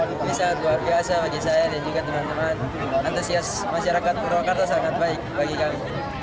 ini sangat luar biasa bagi saya dan juga teman teman antusias masyarakat purwakarta sangat baik bagi kami